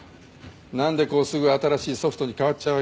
何でこうすぐ新しいソフトに変わっちゃうわけ？